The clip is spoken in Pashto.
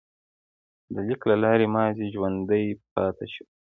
د لیک له لارې ماضي ژوندی پاتې شو.